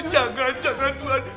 jangan jangan tuhan